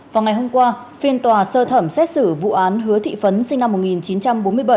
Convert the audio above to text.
vào ngày hôm qua phiên tòa sơ thẩm xét xử vụ án hứa thị phấn sinh năm một nghìn chín trăm bốn mươi bảy